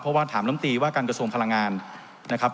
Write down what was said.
เพราะว่าถามลำตีว่าการกระทรวงพลังงานนะครับ